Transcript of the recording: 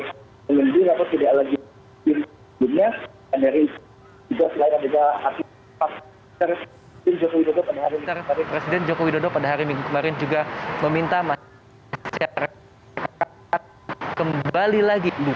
sejak hari ini presiden joko widodo pada hari minggu kemarin juga meminta masyarakat kembali lagi